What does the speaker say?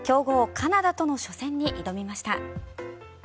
カナダとの初戦に挑みました。